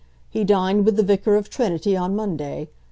He dined with the Vicar of Trinity on Monday.